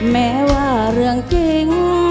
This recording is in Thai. แม้ว่าเรื่องจริง